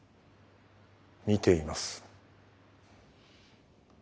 見ています。